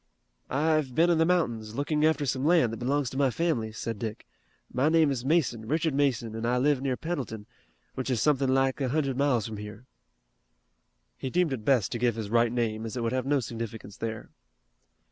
"I've been in the mountains, looking after some land that belongs to my family," said Dick. "My name is Mason, Richard Mason, and I live near Pendleton, which is something like a hundred miles from here." He deemed it best to give his right name, as it would have no significance there.